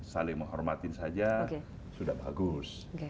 saling menghormatin saja sudah bagus